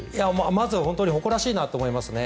まずは本当に誇らしいなと思いますね。